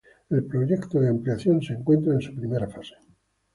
El proyecto de ampliación se encuentra en su primera fase.